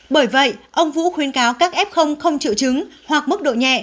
bởi vậy ông vũ khuyên cáo các f không triệu chứng hoặc mức độ nhẹ